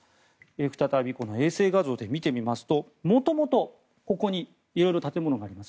再び衛星画像で見てみますと元々ここに色々建物があります。